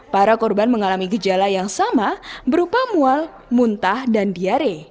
para korban mengalami gejala yang sama berupa mual muntah dan diare